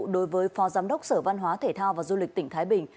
đối với phó giám đốc sở văn hóa thể thao và du lịch tỉnh thái bình